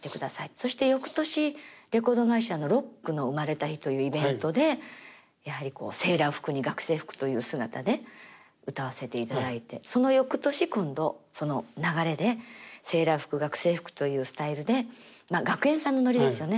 そして翌年レコード会社の「ロックの生まれた日」というイベントでやはりセーラー服に学生服という姿で歌わせていただいてその翌年今度その流れでセーラー服学生服というスタイルでまあ学園祭のノリですよね。